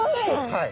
はい。